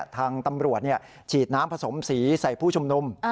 ทางตำรวจฉีดน้ำผสมสีใส่ผู้ชุมนุม